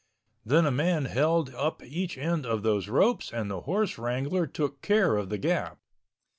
Then a man held up each end of those ropes and the horse wrangler took care of the gap.